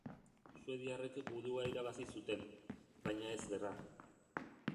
Suediarrek gudua irabazi zuten, baina ez gerra.